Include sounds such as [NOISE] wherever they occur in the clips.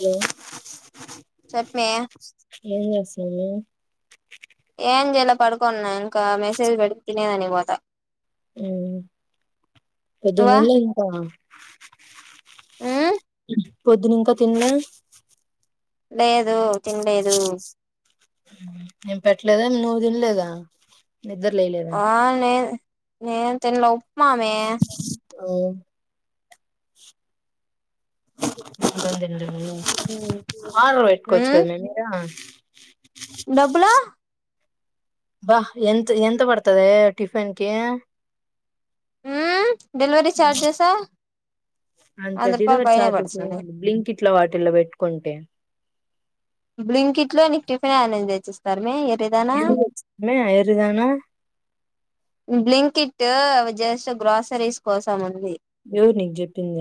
Hello చెప్ మీ ఏం చేసున్నావ్ ఏం చేయాల పడుకోన్నా ఇంకా మెసేజ్ పెడ్ తినేదని పోత మ్మ్ పోదున్ నువ్వా దీన్లే ఇంకా మ్మ్ పొద్దున ఇంకా తినలే లేదు తిన్లేదు ఏం పెట్టలేదా నువ్వు తినలేదా నిద్ర లేయలేదా ఆ నేన్ నేన్ తిన్ లోప్ మామే మ్మ్ ఉమ్ [INAUDIBLE] ఆడర్ పెట్టుకోవచ్చు కదా మేమ ఇడా [UNINTELLIGIBLE] డబ్బులో బా ఎంత ఎంత పడతదే టిఫిన్ కి మ్మ్ డెలివరీ చార్జెసా అంత వంద రూపాయలు డెలివరీ పైనే చార్జెస్ ఏ పడుతుంది బ్లింకిట్లో వాటిలో పెట్టుకుంటే బ్లింకిట్ లో నీకు టిఫిన్ యనుంచి తెచ్చిస్తారమ్మి ఏప్ ఎదో వచ్చదమే ఎర్రీదానా టూ అవి జస్ట్ గ్రోసెరీస్ కోసం ఉంది ఎవరు నీకు చెప్పింది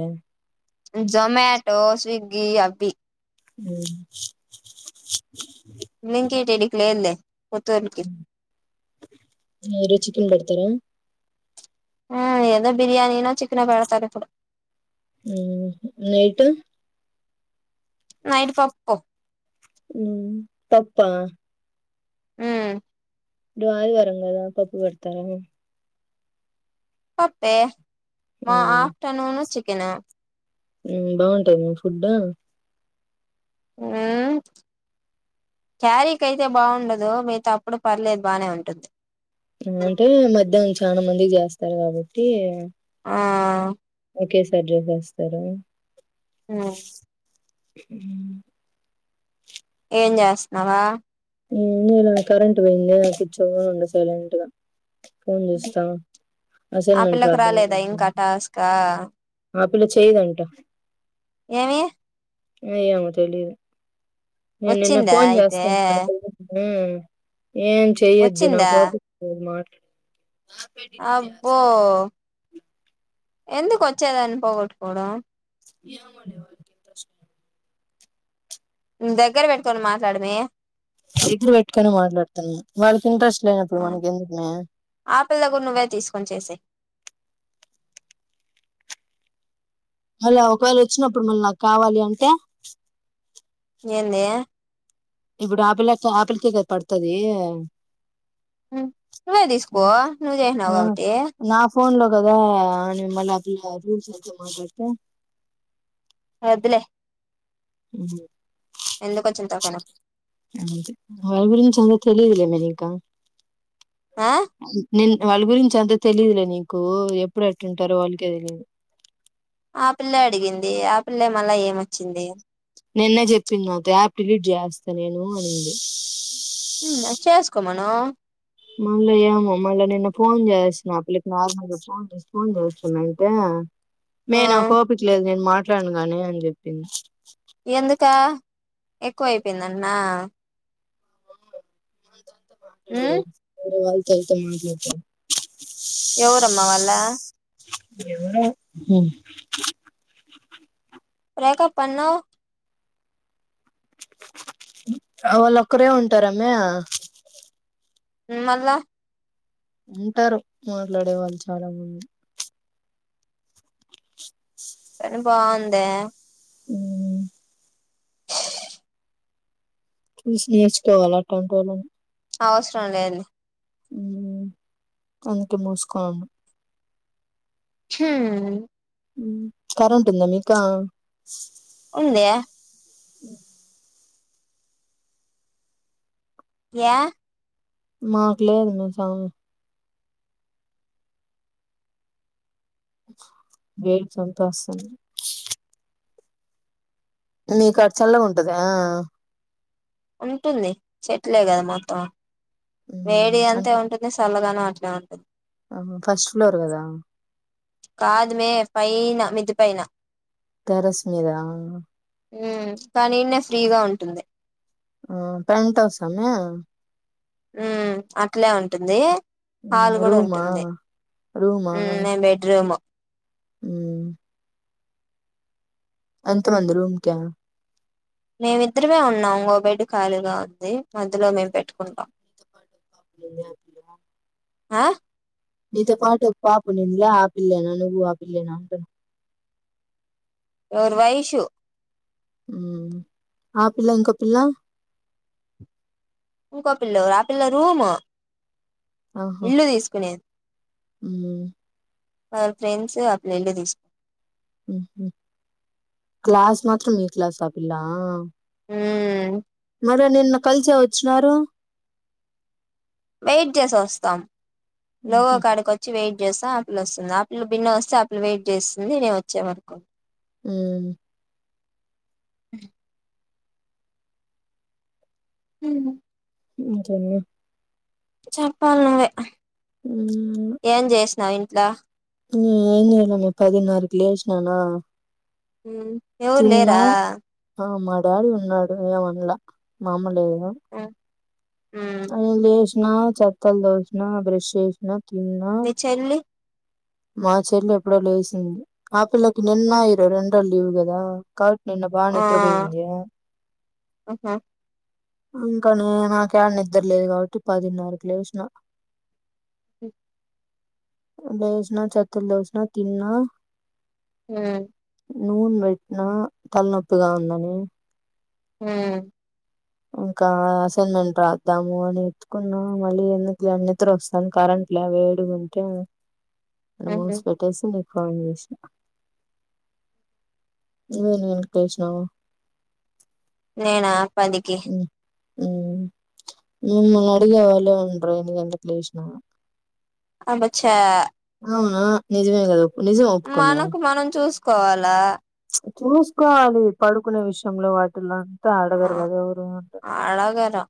జొమాటో స్విగ్ బీ యాపీ మ్మ్ బ్లింకిట్ ఈడికి లేదులే పుత్తూరుకి మీరు చికెన్ పెడతార ఆ ఎదో బిర్యానీ నో చికెనో పెడతారు ఇప్పుడు మ్మ్ నైటు నైట్ పప్పు మ్మ్ తప్పా మ్మ్ ఈరోజు ఆదివారం కదా పప్పు పెడతారా మీకు పప్పే మా ఆఫ్టర్నూను చికెను మ్మ్ బావుంటదా మీ ఫుడ్డు మ్మ్ క్యారీకైతే బాగుండదు మిగతా అప్పుడు పర్లేదు బానే ఉంటద్ లేదంటే మధ్యానం నుంచి చానా మందికి చేస్తారు కాబట్టి ఆ ఒకేసారి జోబేఎస్తారా ఆ [UNINTELLIGIBLE] ఏం జేస్తునవా ఉమ్ ఈడ కరెంట్ పోయింద్య కూర్చోనున్న సైలెంట్గా ఉహు ఆ అసైన్మెంట్ పిల్లకు రాద్దాం రాలేదా అనుకున్నా. ఇంకా టాస్కా ఆ పిల్ల చేయదంట ఏమి ఏమో తెలియదు నేను నిన్నే వచ్చిందా ఫోన్ అయితే చేస్తాను అంటే ఊ ఏం చెయ్యొద్దు వచ్చిందా నాకు ఓపిక లేదు మాట్లా అబ్బో ఎందుకొచ్చేదాన్ని పోగట్టుకోవడం ఎమోలే వాలక్ ఇంట్రెస్ట్ లేదు నువ్వు దగ్గర పెట్టుకొని మాట్లాడుమే దగర పెట్టుకని మాట్లాడుతున్నా వాళ్ళకి ఇంట్రెస్ట్ లేనప్పుడు మనకి ఎందుకుమే ఆ పిల్ల కూడా నువ్వే తీసుకొని చేసేయ్ హలో ఒకవేళ వచ్చినప్పుడు మళ్ళ నాకు కావాలి అంటే ఏంది ఇప్పుడు ఆ పిల్ల తో ఆ పిల్లకే కదా పడతాది నువ్వే తీసుకో నువ్వు ఆ చేసినావుకాబట్టి నా ఫోన్ లో కదా అని మల్ల ఆ పిల్ల రూల్స్ మంచిగా మాట్లాడితే వద్దులే ఊ ఎందుకు వచ్చింది తలకాయ నొప్పి అంది ఆమె గురించి అంత తెలియదులే అమెరికా ఆ నిన్ వాళ్ళ గురించి అంత తెలియదులే నీకు ఎప్పుడు ఎట్టుంటారో వాళ్ళకే తెలియదు ఆ పిల్లే అడిగింది ఆపిల్లే మళ్ళ ఏమ వచ్చింది నిన్న చెప్పింది నాకు యాప్ డిలీట్ చేస్తా నేను అనింది హు చేసుకోమను మళ్ళా ఏమో మళ్ళా నిన్న ఫోన్ చేసిన ఆ పిల్లకి నార్మల్గా ఫోన్ చేసి ఫోన్ చేస్తున్నా అంటే ఆ మే నా ఓపిక లేదు నేను మా మాట్లాడను గాని అని చెప్పింది ఎందుక ఎక్కువ అయిపోయిందంటనా ఉమ్ మాట్లాడేది వేరే వాళ్ళ తో చేతే మాట్లాడుతా ఎవరమ్మా వాళ్ళా ఎవరో బ్రేకప్ అనవ్ వాళ్ళు ఒక్కరే ఉంటారమే హమ్ మళ్ళ ఉంటారు మాట్లాడే వాళ్ళు చాలా మంది పని బావుందే హమ్ చూసి నేర్చుకోవాలి అట్లాంటోలని అవసరం లేద్లే హమ్ అందుకే మూసుకొని ఉన్న హమ్ హమ్ కరెంట్ ఉందా మీకా ఉంది అ [UNINTELLIGIBLE] ఎహ్ మాకు లేదు మే సమీ వేడి చంపేస్తంది నీకు ఆడ చల్లగా ఉంటద ఉంటుంది చెట్లే కదా మొత్తం ఉమ్, వేడి అంతే అంటే ఉంటుంది సళ్ళగ అట్ంటదు ఫస్ట్ ఫ్లోర్ కదా కాదు మే పైన మిద్ది పైన టెర్రస్ మీద హమ్ కానీ ఇడ్నీ ఫ్రీగా ఉంటుంది హమ్ పెంట్ హౌసా మే హమ్ అట్లే ఉంటుంది హాల్ కూడా రూమా ఉంటుంది మేము బెడ్రూమ్ హమ్ ఎంత మంది రూమ్ కే మేమిద్దరమే ఉన్నాం ఇంగో బెడ్ ఖాళీగా ఉంది మధ్యలో మేము పెట్టుకుంటాం ఆ నీతో పాటు ఒక పాపు ఉన్నీన్ల ఆ పిల్లెన ను్వు ఆపిల్లేనా అంటన ఓర్ వైషు హమ్ ఆ పిల్ల ఇంకో పిల్ల ఇంకో పిల్ల ఓరు ఆహ్ పిల్ల రూము ఇల్లు తీసుకునే హమ్ వల్ల ఫ్రెండ్స్ ఆ పిల్ల ఇల్లు తీసుకో ఉహమ్ క్లాస్ మాత్రం మీ క్లాస్ అ పిల్ల హమ్ మరి నిన్న కలిసే వోచ్చినారు వెయిట్ చెస్ఓస్తాం లోగో మ్హు కాడకి వచ్చి వెయిట్ చేస్తా ఆప్పుల వస్తది ఆప్పులు బిన్న వస్తే అప్పులు వెయిట్ చేస్తుంది నేను వచ్చే వరకు అ అ హ ఇంకేమి చెప్పాల నువ్వే అ నైన్త్ లా ఎన్న ఇలామే పదినారకి లేచ్చనానా ఎవరూ లేరా ఆ మా డాడీ ఉన్నాడు ఏమన్ల మామలే అ మ్మ్ అ బస్ ఆ చెత్తలు దోసిన బ్రెష్ చేేసిన తిన్నా మీ చెల్లి మా చెల్లు ఎప్పుడో లేేసింది ఆ పిల్ల నిన్న ఇరో రెండళ్ ఇవు కదా నిన్న బాగా ఆ నిద్రపోయింది ఆహా ఇంకా నేనాకి ఆడ నిద్ర లేదు కాబట్టి పదిన్నరకు లేచినా లేచినా చెత్తలు తోసినా తిన్న హ నూనె పెట్టినా తలనొప్పిగా ఉందని హ ఇంకా అసైన్మెంట్ రాద్దాము అని ఎత్తుకున్నా మళ్ళీ ఎందుకు లే అన్ని నిద్ర వస్తాంది కరెంట్ లే వేడుగుంటే ఆ మ్మ్ మూసి పెట్టేసి ఆ ఫోన్ చేసినా నువ్వు ఏమి [UNINTELLIGIBLE] నేనా పదికి యూ మిమ్మల్ని అడిగే వాళ్ళే ఉండరు ఎన్ని గంటలకు లేసిన అబ్బచా అవునా నిజమే గదు నిజం ఒప్పుకోమే కోవాలా చూసుకోవాలి పడుకునే విషయంలో వాటిల్లో ఆ అడగరు కదా ఎవరు అంటున్న అడగరు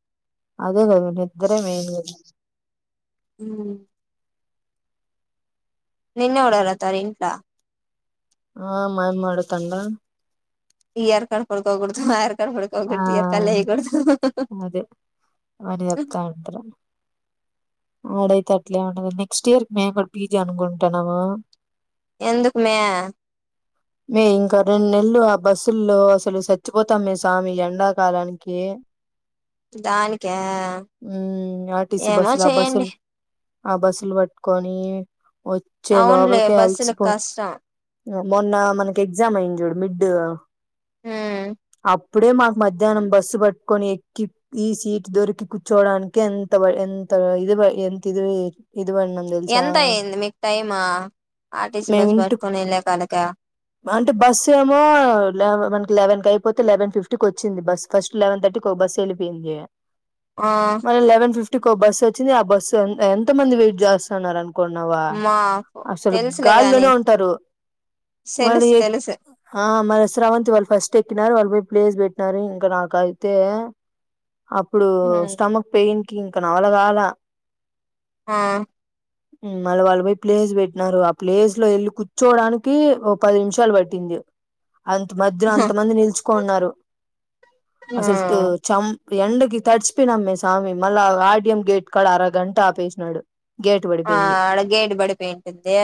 అదే కదా నిద్దరే మెయిన్ కదా ఉ నిన్ను ఎవరు అడుగుతారు ఇంట్లో ఆ మాయమ్మ అడుగు తాన్లే ఈ అల్కాడ పడుకోకూడదు అయ్రా ఆ పడుకోకూడదు ఇయ్యాలకాడ లేయా కూడదు అదే వాని ఆహా చెప్తా ఉంటారు ఆడైతే అట్లే ఏమి ఉండదు నెక్స్ట్ ఇయర్ కి మేముపీజీ అనుకుంటా ఉన్నాము ఎందుకు మే మే ఇంకా రెండు నెలలు ఆ బస్సుల్లో అసలు చచ్చిపోతాం మే స్వామి ఎండాకాలానికి దాని కా ఉ ఆర్టీసి బస్సులో ఆ బస్సు ఆ బస్సులు పట్టుకొని వచ్చే అవునులే లోపలికే బస్సులకు అలిసిపోదు కష్టం మొన్న మనకి ఎగ్జామ్ అయింది చూడు మిడ్ ఉమ్ అప్పు అప్పుడే మాకు మధ్యాహ్నం బస్సు పట్టుకొని ఎక్కి ఈ సీట్ దొరికి కూర్చు కుర్కోడానికి ఎంత బ ఎంత ఇది ఎంత ఇది పడినాం తెలుసా ఎంత అయ్యంది మీకు టైమ్ ఆర్టీసీ మేము బస్ ఇంటి పట్టుకొని వెళ్ళ తల్లికే అంటే బస్సు ఏమో మనకి లెన్ అయిపోతే లెవెన్ ఫిఫ్టీకి వచ్చింది బస్ ఫస్ట్ లెవెన్ థర్టీకి ఒక బస్సు వెళ్ళిపోయింది ఆ మలా ఈవెన్ ఫిఫటీ ఇకి బస్ వచ్చింది ఆ బస్సు ఎంత మంది వెయిట్ చేస్తున్నారును అనుకున్నావా మా అసలు తెలుసులే గాల్లోనే గాని ఉంటారు మళ్ళీ తెలుసు ఎక్ తెలుసు మరిస్రావంతివళ్ళ ఫస్ట్ ఎక్కి వాళ్ళు పోయి ప్లేస్ పెట్టినారు ఇంకా నాక అయితే అప్పుడు స్టమక్ పెయిన్ ఇంక నవల కావాల ఆా మళ్ళీ వాళ్ళు పోయి ప్లేస్ పెట్టినారు ఆ ప్లేస్ లో వెళ్ళి కూర్చోడానికి పది నిమిషాలు పట్టింది అంత మధ్యలో అంతమంది నిలుచుకున్నారు అసలు ఆ చం ఎండకి తడిచిపోయినమ్మే స్వామి మళ్ళా ఆర్డియంయం గేట్ కాడ అరగంట ఆపేసినాడు గేట్ ఆ పడిపోయింది అక్కడ గేడ్ పడిపోయింటుంది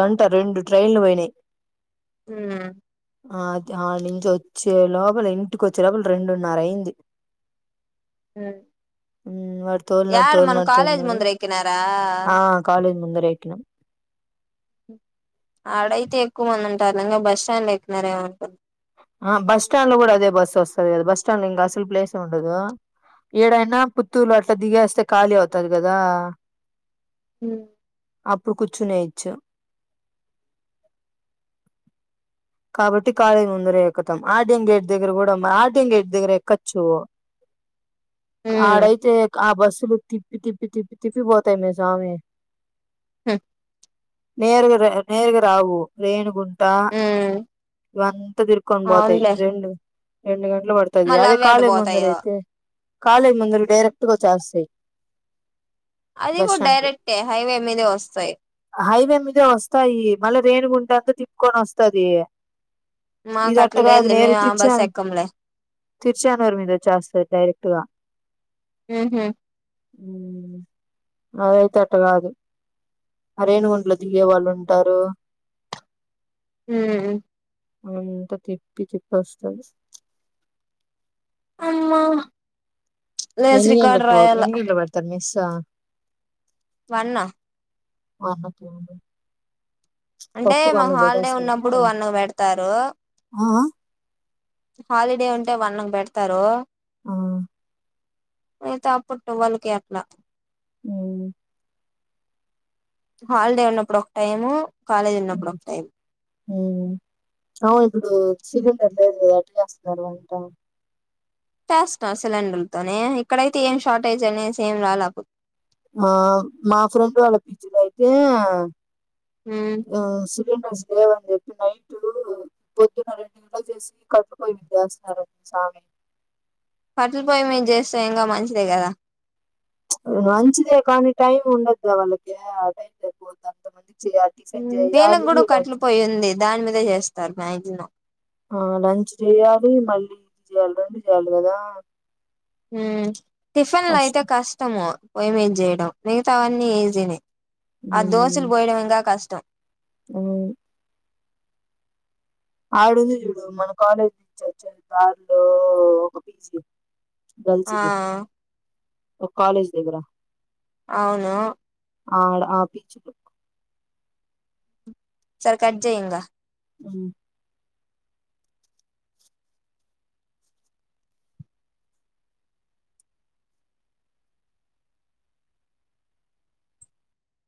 గంట రెండు ట్రైన్లు పోయినాయి హ ఆ అది ఆ నుంచి వచ్చే లోపల ఇంటికి వచ్చే లోపల రెండున్నర అయింది హ [UNINTELLIGIBLE] యడ మన తోలినాడు కాలేజ్ తోలినాడు ముందర ఎకినారా ఆ కాలేజ్ ముందర ఎక్కినం ఆడైతే ఎక్కువ మంది ఉంటార్లే, ఇంగా బస్టాండ్ లో ఏక్నారేమో అనుకు. ఆ బస్ స్టాండ్ లో గుడా అదే బస్సు వస్తది కదా. బస్ స్టాండ్ లో ఇంగా అసలు ప్లేసే ఉండదు. ఇడైనా, పుత్తూరులో అట్లా దిగేస్తే ఖాళీ అవుతది గదా. [UNINTELLIGIBLE] అప్పుడు కూర్చునేయొచ్చు కాబట్టి కాలేజీ ముందర ఎక్కుతాం, ఆర్డీఎం గేట్ దగ్గర గుడా మరి ఆర్డీఎం గేట్ దగ్గర ఎక్కచ్చు. క హు ఆడైతే క ఆ బస్సులు తిప్పి తిప్పి తిప్పి తిప్పి పోతాయిమ్మే సామి నేరుగా రా నేరుగా రావు రేణుగుంట ఉమ్ ఇవంతా తిరుక్కొని బొతాయి అవునులే రెండు రెండుగంటలు పడతది. మళ్ళీ అదే అవి ఎటు కాలేజ్ ముందర పోతాయో అయితే. కాలేజ్ ముందరకి డైరెక్ట్గా వచ్చేస్తాయి అది కూడా బస్స్టాండ్కి డైరెక్టే హైవే మీదే వస్తాయి హైవే మీదే వస్తాయి మళ్ళ రేణిగుంట తి తిప్పుకొనస్తది మాకు ఇది అట్ట అట్లా కాదు లేదులే నేరు మేము ఆ బస్ తిర్చాన్ ఎక్కంలే తిర్చానురు మీద వచ్చేస్తది డైరెక్ట్ గా ఉహు అదైతే అట్ట కాదు, అరేనుగుంట్లో దిగే వాళ్ళు ఉంటారు. హు అంతా తిప్పి చూప్పి వస్తడు ఒమ్మా ఎన్ని గంట్లలకు పోవాలి ఎన్ని గంట్లలకు పెడతారు మిస్ చ వన్ అ మర్ణ చడి [UNINTELLIGIBLE] అంటే మాక్ హాలిడే ఉన్నప్పుడు అన్నం పెడతారు ఆ హాలిడే ఉం టే అన్నం పెడ్తారు ఆ మీత అప్పుడు టువాల్కి అట్లా మ్మ్ హాలిడే ఉన్నప్పుడు ఒక్టైము ఉ అవునిప్పుడు చిలూమ్ పర్లేదు లే అట్లనేవస్తూన్నా రంట ఫస్ట్ అసలు సిలిండర్లతోనే ఇక్కడైతే ఏం షార్టేజ్ అనేసి ఏం రాల బు మా మా ఫ్రెండ్ వాళ్ళ పీజిలైతే వాసు సిలిండర్స్ లేవన్జెప్పి, నైటు పొద్దున్న రెండు గంట్లాకి చేసి, కట్లు పోయి మింద జేస్తన్నారండి సామి. కట్లపొయ్యి మీద చేస్తే ఇంకా మంచిదే గదా మంచిదే కానీ టైం ఉండద్దా? వాళ్ళకి ఆ టైం సరిపోవద్ద, అంత మంది ఉ వీళ్ళకి గూడ కట్లే పోయింది దాని మీదే చేస్తారు బయజనా ఆ లంచ్ చేయాలి మళ్ళీ ఇది చేయాలి రెండు చేయాలి కదా టిఫిన్ లో అయితే కష్టం కష్టము పొయ్యిమీద చేయడం మిగతావన్నీ ఈజీ నే ఆ దోశలు పోయడువంకా కష్టం అ ఆడు చడు మన కాలేజ్ నుంచి వచ్చే దారిలో ఒక పీజీ ఆ గల్స్ది ఒక కాలేజ్ [UNINTELLIGIBLE] అవును ఆడ ఆ పీజీలో సరే కట్చయింగ అ